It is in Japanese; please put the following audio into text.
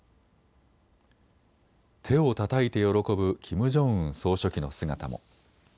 手をたたいて喜ぶキム・ジョンウン総書記の姿も。